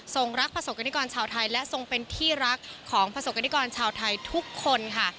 รักประสบกรณิกรชาวไทยและทรงเป็นที่รักของประสบกรณิกรชาวไทยทุกคนค่ะ